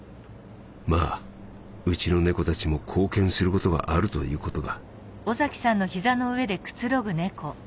まあうちの猫たちも貢献することがあるということだ」。